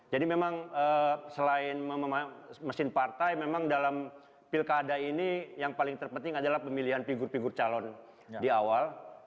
jadi memang selain mesin partai memang dalam pilkada ini yang paling terpenting adalah pemilihan figur figur calon di awal